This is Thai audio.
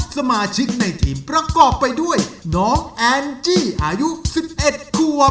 สมาชิกในทีมประกอบไปด้วยน้องแอนจี้อายุ๑๑ควบ